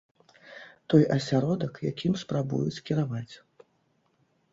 Той асяродак, якім спрабуюць кіраваць.